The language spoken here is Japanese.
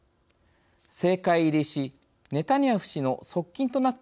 政界入りしネタニヤフ氏の側近となった